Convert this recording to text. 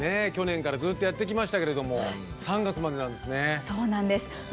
去年からずっとやってきましたけれども３月までなんですね。